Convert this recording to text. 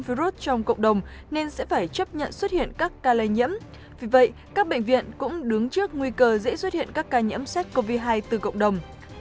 vì vậy các bệnh viện cũng đứng trước nguy cơ dễ xuất hiện các ca nhiễm sars cov hai từ cộng đồng